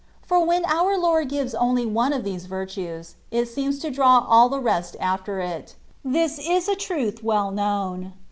For when our Lord gives only one of these virtues, it seems to draw all the rest after it ; this is a truth well known.